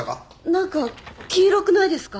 何か黄色くないですか？